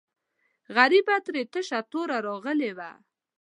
غریبه ترې تشه توره راغلې وه.